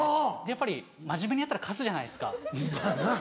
やっぱり真面目にやったら勝つじゃないですか。